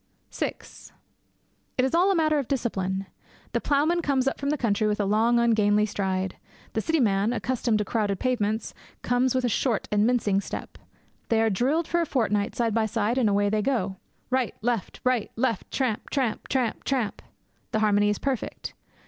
VI It is all a matter of discipline. The ploughman comes up from the country with a long ungainly stride. The city man, accustomed to crowded pavements, comes with a short and mincing step. They are drilled for a fortnight side by side, and away they go. Right! Left! Right! Left! Tramp! tramp! tramp! tramp! The harmony is perfect.